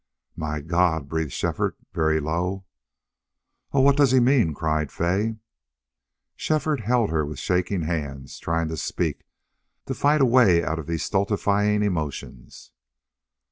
"My God!" breathed Shefford, very low. "Oh, what does he mean?" cried Fay. Shefford held her with shaking hands, trying to speak, to fight a way out of these stultifying emotions.